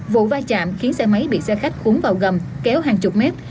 vụ vai trạm khiến xe máy bị xe khách khúng vào gầm kéo hàng chục mét